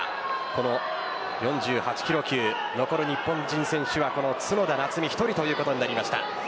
この４８キロ級残る日本人選手はこの角田夏実１人ということになりました。